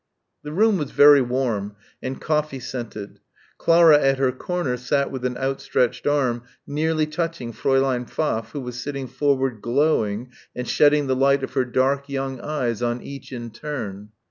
The room was very warm, and coffee scented. Clara at her corner sat with an outstretched arm nearly touching Fräulein Pfaff who was sitting forward glowing and shedding the light of her dark young eyes on each in turn.